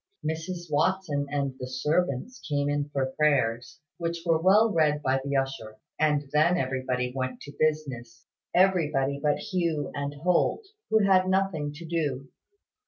Mrs Watson and the servants came in for prayers, which were well read by the usher; and then everybody went to business: everybody but Hugh and Holt, who had nothing to do.